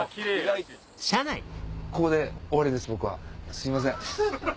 すいません。